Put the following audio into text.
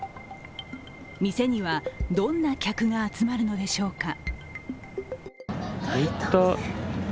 店にはどんな客が集まるのでしょうか。